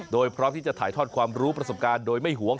โดยพร้อมที่จะถ่ายทอดความรู้ประสบการณ์โดยไม่หวง